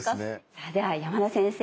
さあでは山田先生